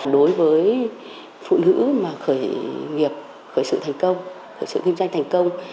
đối với phụ nữ mà khởi nghiệp khởi sự thành công khởi sự kinh doanh thành công